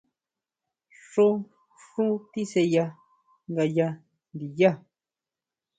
Xjó xú tisʼeya ngayá ndiyá.